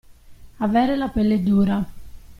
Avere la pelle dura.